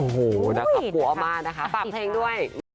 โอ้โฮนะครับหัวมากนะคะปรับเพลงด้วย